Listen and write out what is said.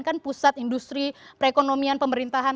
kan pusat industri perekonomian pemerintahan